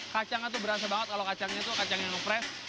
kacangnya itu berasa banget kalau kacangnya itu kacang yang fresh